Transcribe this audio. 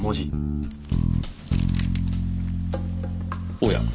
おや？